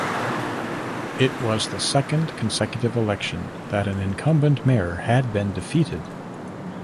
It was the second consecutive election that an incumbent mayor had been defeated.